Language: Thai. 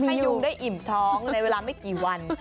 ยุงได้อิ่มท้องในเวลาไม่กี่วัน